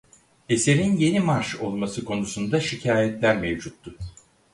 Eserin yeni marş olması konusunda şikayetler mevcuttu.